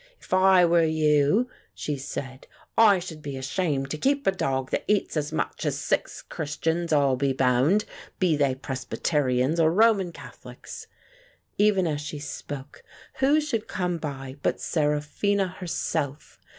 "If I were you," she said, "I should be ashamed to keep a dog that eats as much as six Christians, I'll be bound, be they Presbyterians or Roman Catholics." ... Even as she spoke, who should come by but Seraphina herself?